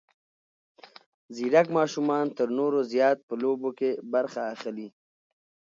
ځیرک ماشومان تر نورو زیات په لوبو کې برخه اخلي.